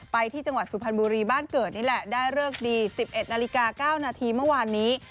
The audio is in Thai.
ไปที่จังหวัดสุพรรณบุรีบ้านเกิดนี่แหละได้เลิกดี๑๑นาฬิกา๙นาทีเมื่อวานนี้